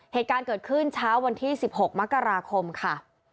เหตุการณ์เกิดขึ้นเช้าวันที่๑๖มกราคมค่ะ